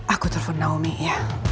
aku telfon naomi ya